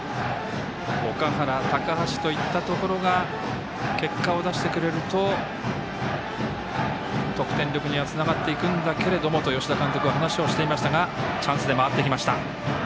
岳原、高橋といったところが結果を出してくれると得点力にはつながっていくんだけれどと吉田監督は話をしていましたがチャンスで回ってきました。